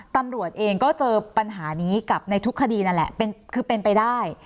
ตำรวจเองก็เจอปัญหานี้กับในทุกคดีนั่นแหละคือเป็นไปได้